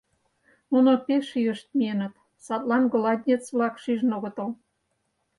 Нуно пеш йышт миеныт, садлан голландец-влак шижын огытыл.